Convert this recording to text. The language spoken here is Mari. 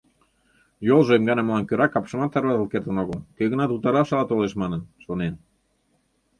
Йолжо эмганымылан кӧра капшымат тарватыл кертын огыл, кӧ-гынат утараш ала толеш манын, шонен.